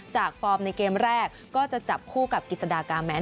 ฟอร์มในเกมแรกก็จะจับคู่กับกิจสดากาแมน